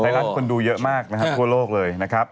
รัฐคนดูเยอะมากนะครับทั่วโลกเลยนะครับ